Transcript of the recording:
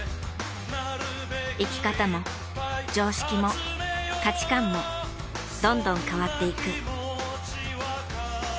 生き方も常識も価値観もどんどん変わっていく。